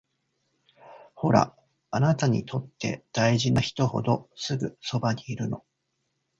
ほら、あなたにとって大事な人ほどすぐそばにいるの